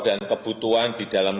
dan kebutuhan yang diperlukan